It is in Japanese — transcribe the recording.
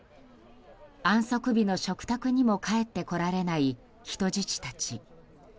安息日の食卓にも帰ってこられない人質たち。